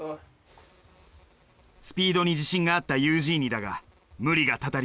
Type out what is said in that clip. スピードに自信があったユージーニだが無理がたたり